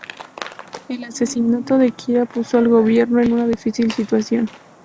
El asesinato de Kira puso al gobierno en una difícil situación.